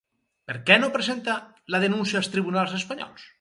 Per què no presenta la denúncia a tribunals espanyols?